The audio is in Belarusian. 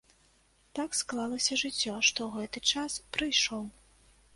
Так склалася жыццё, што гэты час прыйшоў.